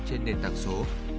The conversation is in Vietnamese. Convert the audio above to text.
trên nền tảng số